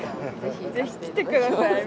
ぜひ来てください。